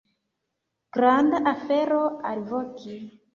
Granda afero alvoki!